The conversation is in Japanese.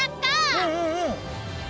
うんうんうん。